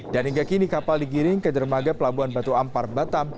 dan hingga kini kapal digiring ke jermaga pelabuhan batu ampar batam